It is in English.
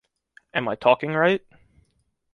Am I talking right?